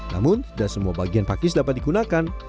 namun tidak semua bagian pakis dapat digunakan